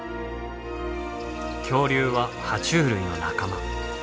恐竜はは虫類の仲間。